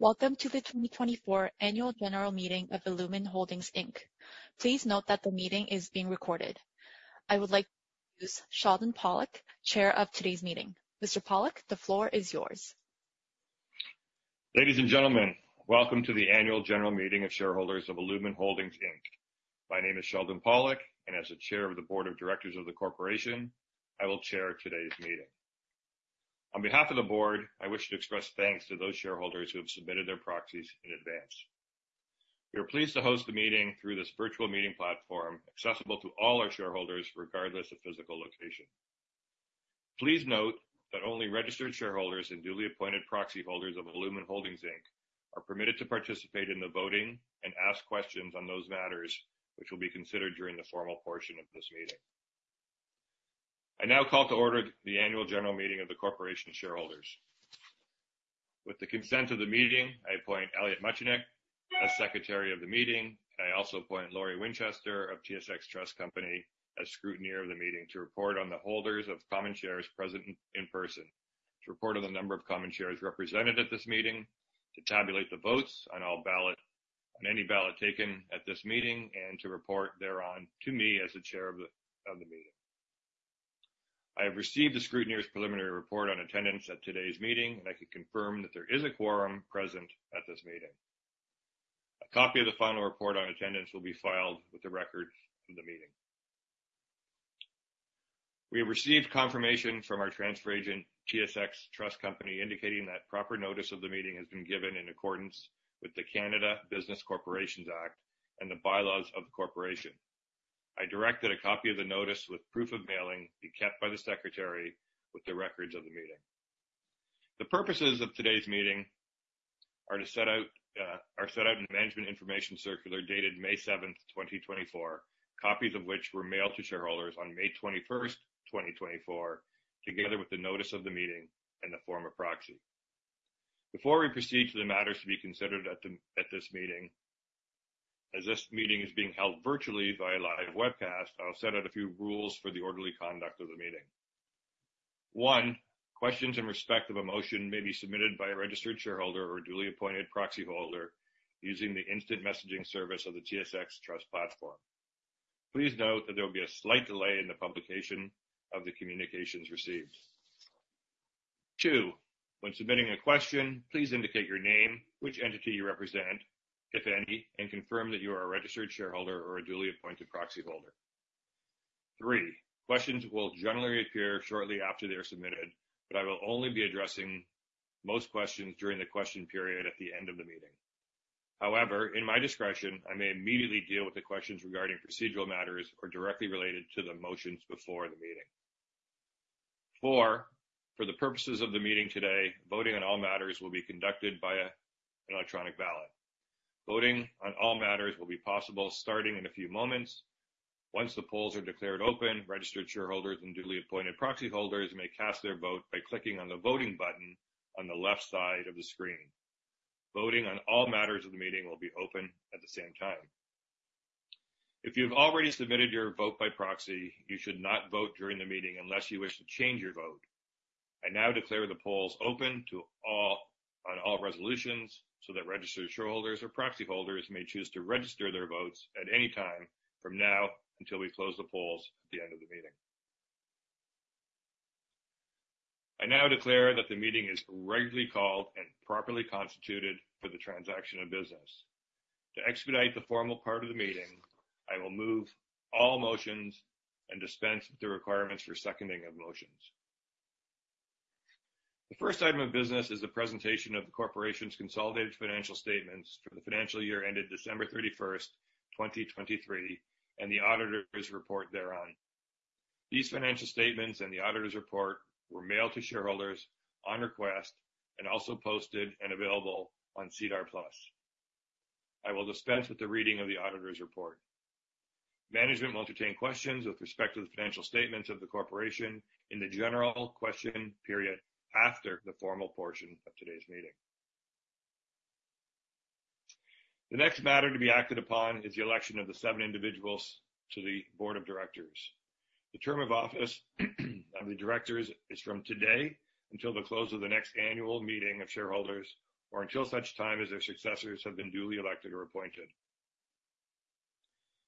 Welcome to the 2024 Annual General Meeting of Illumin Holdings Inc. Please note that the meeting is being recorded. I would like to introduce Sheldon Pollack, chair of today's meeting. Mr. Pollack, the floor is yours. Ladies and gentlemen, welcome to the Annual General Meeting of Shareholders of Illumin Holdings, Inc. My name is Sheldon Pollack, and as the Chair of the Board of Directors of the Corporation, I will chair today's meeting. On behalf of the board, I wish to express thanks to those shareholders who have submitted their proxies in advance. We are pleased to host the meeting through this virtual meeting platform, accessible to all our shareholders, regardless of physical location. Please note that only registered shareholders and duly appointed proxy holders of Illumin Holdings, Inc. are permitted to participate in the voting and ask questions on those matters, which will be considered during the formal portion of this meeting. I now call to order the annual general meeting of the corporation shareholders. With the consent of the meeting, I appoint Elliot Muchnik as Secretary of the meeting. I also appoint Lori Winchester of TSX Trust Company as scrutineer of the meeting to report on the holders of common shares present in person, to report on the number of common shares represented at this meeting, to tabulate the votes on any ballot taken at this meeting, and to report thereon to me as the chair of the meeting. I have received the scrutineer's preliminary report on attendance at today's meeting, and I can confirm that there is a quorum present at this meeting. A copy of the final report on attendance will be filed with the records of the meeting. We have received confirmation from our transfer agent, TSX Trust Company, indicating that proper notice of the meeting has been given in accordance with the Canada Business Corporations Act and the bylaws of the Corporation. I directed a copy of the notice with proof of mailing be kept by the secretary with the records of the meeting. The purposes of today's meeting are to set out, are set out in the management information circular, dated May 7th, 2024, copies of which were mailed to shareholders on May 21st, 2024, together with the notice of the meeting and the form of proxy. Before we proceed to the matters to be considered at the, at this meeting, as this meeting is being held virtually via live webcast, I'll set out a few rules for the orderly conduct of the meeting. One, questions in respect of a motion may be submitted by a registered shareholder or a duly appointed proxyholder using the instant messaging service of the TSX Trust platform. Please note that there will be a slight delay in the publication of the communications received. Two, when submitting a question, please indicate your name, which entity you represent, if any, and confirm that you are a registered shareholder or a duly appointed proxyholder. Three, questions will generally appear shortly after they're submitted, but I will only be addressing most questions during the question period at the end of the meeting. However, in my discretion, I may immediately deal with the questions regarding procedural matters or directly related to the motions before the meeting. Four, for the purposes of the meeting today, voting on all matters will be conducted via an electronic ballot. Voting on all matters will be possible, starting in a few moments. Once the polls are declared open, registered shareholders and duly appointed proxy holders may cast their vote by clicking on the voting button on the left side of the screen. Voting on all matters of the meeting will be open at the same time. If you've already submitted your vote by proxy, you should not vote during the meeting unless you wish to change your vote. I now declare the polls open on all resolutions, so that registered shareholders or proxy holders may choose to register their votes at any time from now until we close the polls at the end of the meeting. I now declare that the meeting is regularly called and properly constituted for the transaction of business. To expedite the formal part of the meeting, I will move all motions and dispense with the requirements for seconding of motions. The first item of business is the presentation of the corporation's consolidated financial statements for the financial year ended December 31st, 2023, and the auditor's report thereon. These financial statements and the auditor's report were mailed to shareholders on request and also posted and available on SEDAR+. I will dispense with the reading of the auditor's report. Management will entertain questions with respect to the financial statements of the corporation in the general question period after the formal portion of today's meeting. The next matter to be acted upon is the election of the seven individuals to the board of directors. The term of office of the directors is from today until the close of the next annual meeting of shareholders or until such time as their successors have been duly elected or appointed.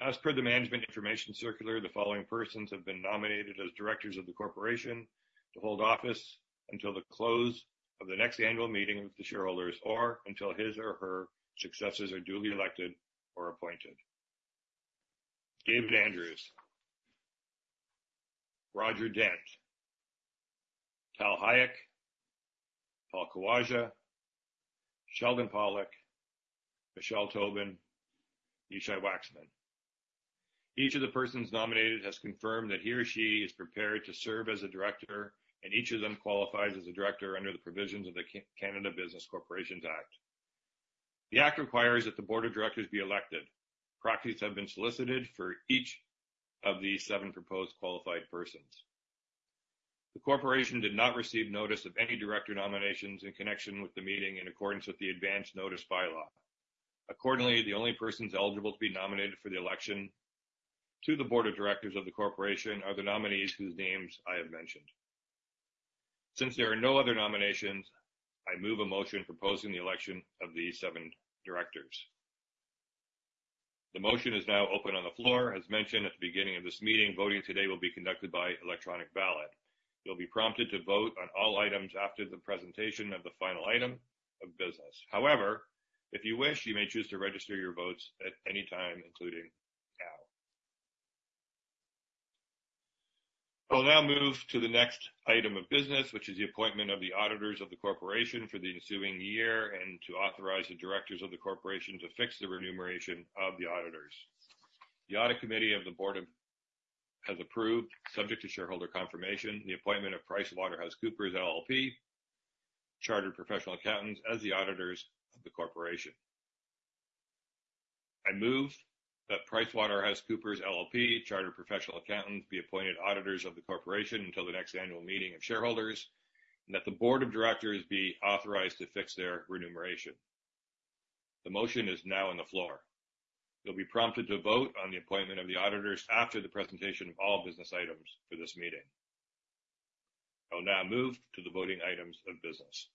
As per the Management Information Circular, the following persons have been nominated as directors of the corporation to hold office until the close of the next annual meeting with the shareholders, or until his or her successors are duly elected or appointed. David Andrews, Roger Dent, Tal Hayek, Paul Chiarelli, Sheldon Pollack, Michele Tobin, Yishay Waxman. Each of the persons nominated has confirmed that he or she is prepared to serve as a director, and each of them qualifies as a director under the provisions of the Canada Business Corporations Act. The act requires that the board of directors be elected. Proxies have been solicited for each of these seven proposed qualified persons. The corporation did not receive notice of any director nominations in connection with the meeting in accordance with the Advance Notice Bylaw. Accordingly, the only persons eligible to be nominated for the election-... to the Board of Directors of the corporation are the nominees whose names I have mentioned. Since there are no other nominations, I move a motion proposing the election of these seven directors. The motion is now open on the floor. As mentioned at the beginning of this meeting, voting today will be conducted by electronic ballot. You'll be prompted to vote on all items after the presentation of the final item of business. However, if you wish, you may choose to register your votes at any time, including now. I'll now move to the next item of business, which is the appointment of the auditors of the corporation for the ensuing year and to authorize the directors of the corporation to fix the remuneration of the auditors. The audit committee of the board has approved, subject to shareholder confirmation, the appointment of PricewaterhouseCoopers LLP, Chartered Professional Accountants, as the auditors of the corporation. I move that PricewaterhouseCoopers LLP, Chartered Professional Accountants, be appointed auditors of the corporation until the next annual meeting of shareholders, and that the board of directors be authorized to fix their remuneration. The motion is now on the floor. You'll be prompted to vote on the appointment of the auditors after the presentation of all business items for this meeting. I'll now move to the voting items of business.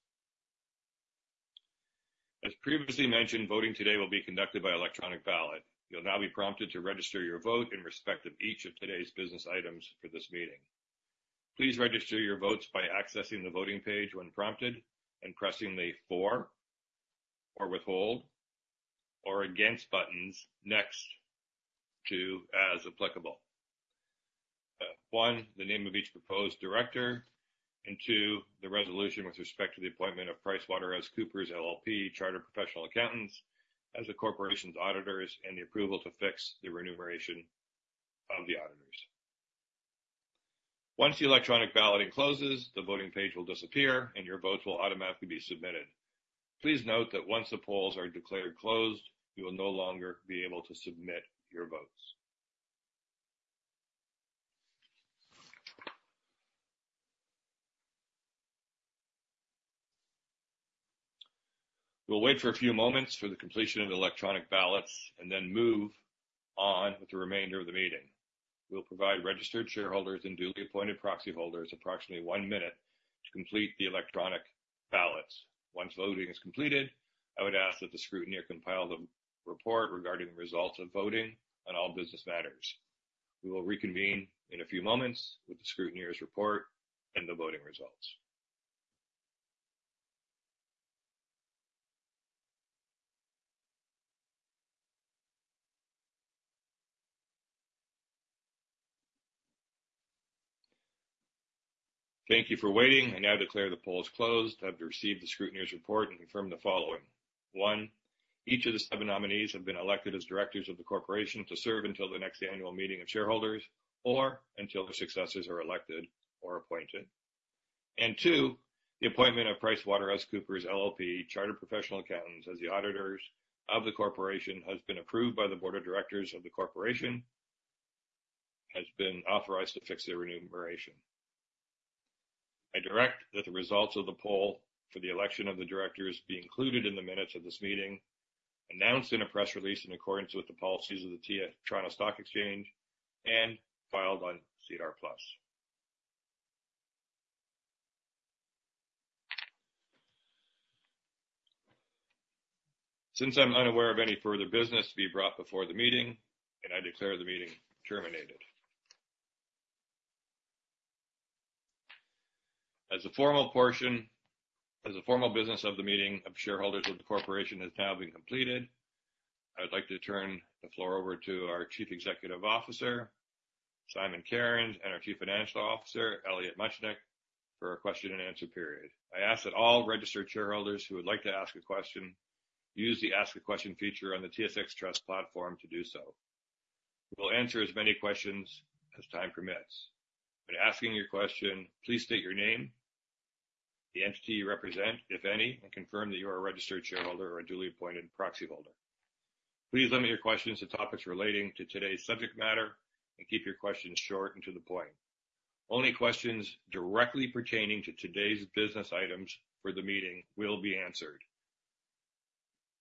As previously mentioned, voting today will be conducted by electronic ballot. You'll now be prompted to register your vote in respect of each of today's business items for this meeting. Please register your votes by accessing the voting page when prompted and pressing the for, or withhold, or against buttons next to, as applicable, one, the name of each proposed director, and two, the resolution with respect to the appointment of PricewaterhouseCoopers LLP, Chartered Professional Accountants, as the corporation's auditors, and the approval to fix the remuneration of the auditors. Once the electronic balloting closes, the voting page will disappear, and your votes will automatically be submitted. Please note that once the polls are declared closed, you will no longer be able to submit your votes. We'll wait for a few moments for the completion of the electronic ballots and then move on with the remainder of the meeting. We'll provide registered shareholders and duly appointed proxy holders approximately one minute to complete the electronic ballots. Once voting is completed, I would ask that the scrutineer compile the report regarding the results of voting on all business matters. We will reconvene in a few moments with the scrutineer's report and the voting results. Thank you for waiting. I now declare the polls closed. I've received the scrutineer's report and confirm the following. One, each of the seven nominees have been elected as directors of the corporation to serve until the next annual meeting of shareholders or until their successors are elected or appointed. Two, the appointment of PricewaterhouseCoopers LLP, Chartered Professional Accountants, as the auditors of the corporation, has been approved by the Board of Directors of the corporation, has been authorized to fix their remuneration. I direct that the results of the poll for the election of the directors be included in the minutes of this meeting, announced in a press release in accordance with the policies of the Toronto Stock Exchange, and filed on SEDAR+. Since I'm unaware of any further business to be brought before the meeting, and I declare the meeting terminated. As the formal business of the meeting of shareholders of the corporation has now been completed, I would like to turn the floor over to our Chief Executive Officer, Simon Cairns, and our Chief Financial Officer, Elliot Muchnik, for a question and answer period. I ask that all registered shareholders who would like to ask a question, use the Ask a Question feature on the TSX Trust platform to do so. We will answer as many questions as time permits. When asking your question, please state your name, the entity you represent, if any, and confirm that you are a registered shareholder or a duly appointed proxy holder. Please limit your questions to topics relating to today's subject matter and keep your questions short and to the point. Only questions directly pertaining to today's business items for the meeting will be answered.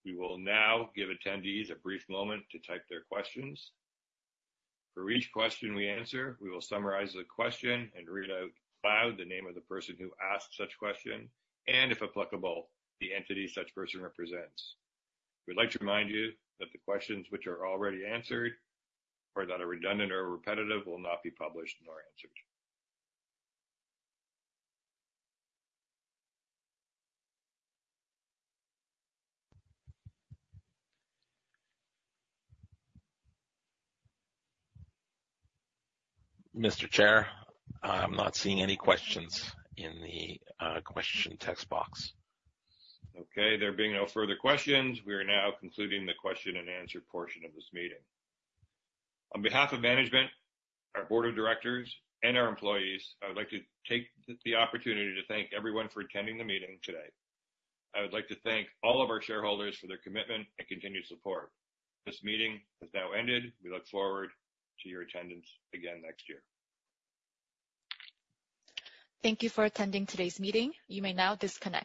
We will now give attendees a brief moment to type their questions. For each question we answer, we will summarize the question and read out loud the name of the person who asked such question, and if applicable, the entity such person represents. We'd like to remind you that the questions which are already answered or that are redundant or repetitive will not be published nor answered. Mr. Chair, I'm not seeing any questions in the question text box. Okay, there being no further questions, we are now concluding the question and answer portion of this meeting. On behalf of management, our Board of Directors, and our employees, I would like to take the opportunity to thank everyone for attending the meeting today. I would like to thank all of our shareholders for their commitment and continued support. This meeting has now ended. We look forward to your attendance again next year. Thank you for attending today's meeting. You may now disconnect.